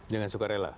jangan suka rela